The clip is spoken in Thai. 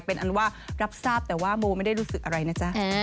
เป็นอันว่ารับทราบแต่ว่าโมไม่ได้รู้สึกอะไรนะจ๊ะ